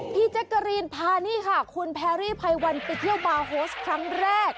แจ๊กกะรีนพานี่ค่ะคุณแพรรี่ไพวันไปเที่ยวบาร์โฮสครั้งแรก